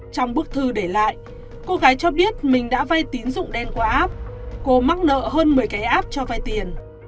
trong bức thư để lại cô gái cho biết mình đã vay tín dụng đen qua app cô mắc nợ hơn một mươi cái app cho vay tiền